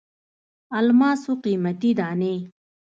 الماسو قیمتي دانې.